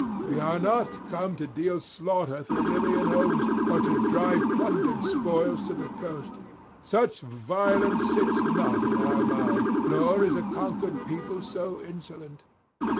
We are not come to deal slaughter through Libyan homes, or to drive plundered spoils to the coast. Such violence sits not in our mind, nor is a conquered people so insolent.